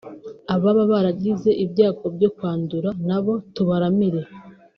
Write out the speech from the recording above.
ababa baragize ibyago byo kwandura na bo tubaramire